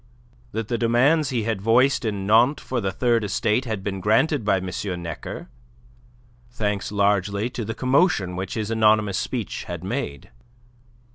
That the demands he had voiced in Nantes for the Third Estate had been granted by M. Necker, thanks largely to the commotion which his anonymous speech had made.